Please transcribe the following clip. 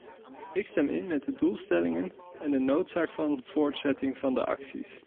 Ik stem in met de doelstellingen en de noodzaak van voortzetting van de acties.